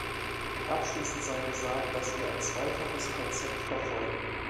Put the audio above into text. Abschließend sei gesagt, dass wir ein zweifaches Konzept verfolgen.